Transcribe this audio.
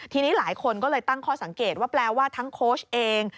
ทีนี้หลายคนก็เลยตั้งข้อสังเกตว่าแปลว่าทั้งโค้ชเอง